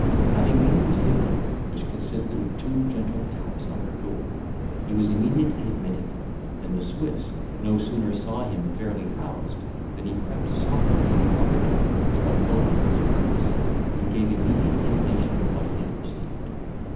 Having made the signal, which consisted of two gentle taps on her door, he was immediately admitted; and the Swiss no sooner saw him fairly housed, than he crept softly to the other door, that was left open for the purpose, and gave immediate intimation of what he had perceived.